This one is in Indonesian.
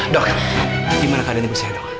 dok gimana kalian bisa hidup